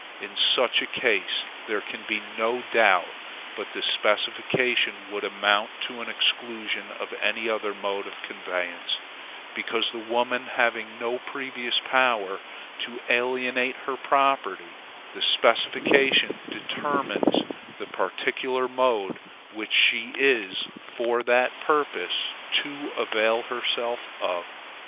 In such a case there can be no doubt but the specification would amount to an exclusion of any other mode of conveyance, because the woman having no previous power to alienate her property, the specification determines the particular mode which she is, for that purpose, to avail herself of.